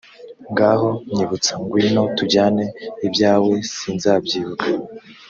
ngaho nyibutsa ngwino tujyane ibyawe sinzabyibuka